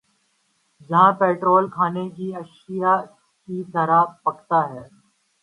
جہاں پیٹرول کھانے کی اشیا کی طرح بِکتا ہے